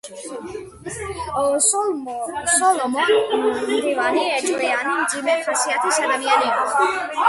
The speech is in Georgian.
სოლომონ მდივანი ეჭვიანი, მძიმე ხასიათის ადამიანი იყო.